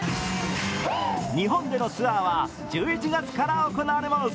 日本でのツアーは１１月から行われます。